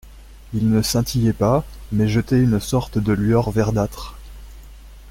Ils ne scintillaient pas, mais jetaient une sorte de lueur verdâtre.